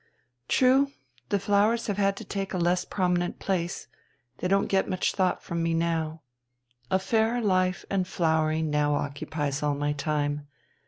"True, the flowers have had to take a less prominent place, they don't get much thought from me now. A fairer life and flowering now occupies all my time.